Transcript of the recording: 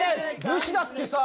武士だってさ